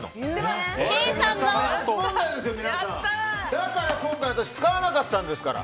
だから今回使わなかったんですから！